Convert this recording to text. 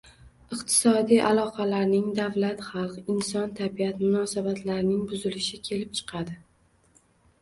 iqtisodiy aloqalarning, davlat-xalq, inson-tabiat munosabatlarining buzilishi kelib chiqadi.